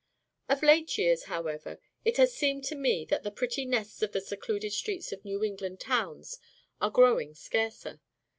Of late years, however, it has seemed to me that the pretty nests on the secluded streets of New England towns are growing scarcer.